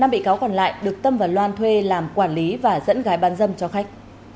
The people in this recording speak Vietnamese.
năm bị cáo còn lại được tâm và loan thuê làm quản lý và dẫn gái bán dâm cho khách